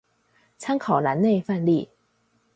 參考欄內範例